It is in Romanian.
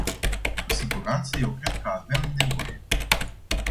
Cu siguranță, eu cred că avem nevoie.